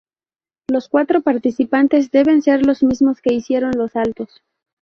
Los cuatro participantes deben ser los mismos que hicieron los saltos.